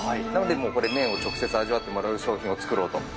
なので麺を直接味わってもらう商品を作ろうと。